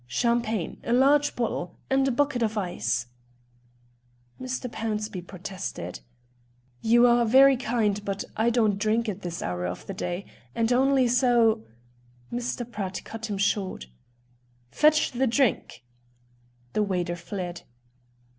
"Champagne a large bottle and a bucket of ice." Mr. Pownceby protested. "You are very kind, but I don't drink at this hour of the day, and only so " Mr. Pratt cut him short. "Fetch the drink." The waiter fled.